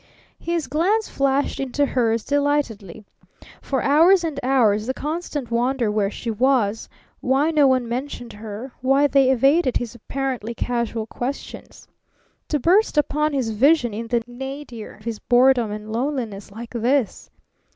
His glance flashed into hers delightedly. For hours and hours the constant wonder where she was, why no one mentioned her, why they evaded his apparently casual questions. To burst upon his vision in the nadir of his boredom and loneliness like this!